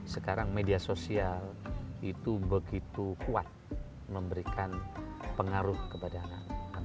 sekarang media sosial itu begitu kuat memberikan pengaruh kepada anak